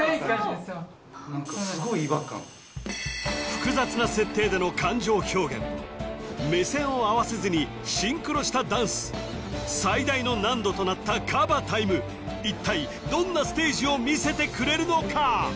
複雑な設定での感情表現目線を合わせずにシンクロしたダンス最大の難度となったＫＡＢＡ．タイム一体どんなステージを見せてくれるのか？